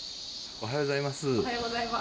おはようございます。